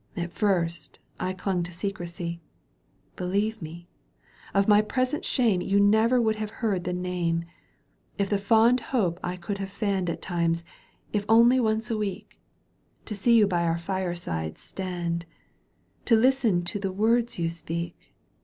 At first, I clung to secrecy; Believe me, of my present shame v^ou never would have heard the name, If the fond hope I could have fanned At times, if only once a week. To see you by our fireside stand. To listen to the words you speak.